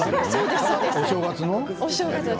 お正月の？